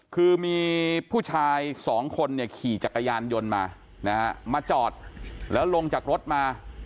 คือมีผู้ชายสองคนเนี่ยขี่จักรยานยนต์มานะฮะมาจอดแล้วลงจากรถมา